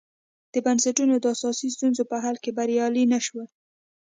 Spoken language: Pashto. د بنسټونو د اساسي ستونزو په حل کې بریالي نه شول.